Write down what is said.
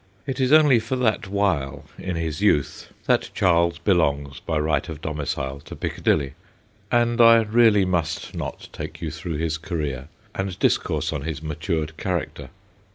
It is only for that while in his youth that Charles belongs by right of domicile to Piccadilly, and I really must not take you through his career and discourse on his matured character.